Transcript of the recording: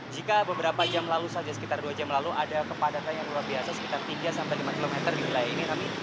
jika beberapa jam lalu saja sekitar dua jam lalu ada kepadatan yang luar biasa sekitar tiga sampai lima km di wilayah ini